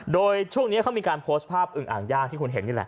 โดยช่วงนี้เขามีการโพสต์ภาพอึงอ่างย่างที่คุณเห็นนี่แหละ